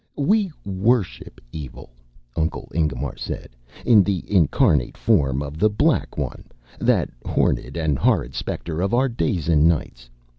"We worship Evil," Uncle Ingemar said, "in the incarnate form of The Black One, that horned and horrid specter of our days and nights.